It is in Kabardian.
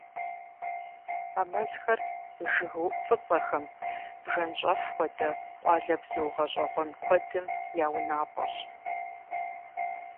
А мазхэр жыгыуӀу фӀыцӀэхэм, бжэнщӀэф хуэдэ къуалэбзу гъэщӀэгъуэн куэдым я унапӏэщ.